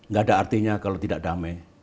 nggak ada artinya kalau tidak damai